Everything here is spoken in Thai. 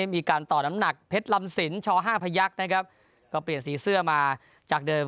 มีการต่อน้ำหนักเพชรลำสินชห้าพยักษ์นะครับก็เปลี่ยนสีเสื้อมาจากเดิม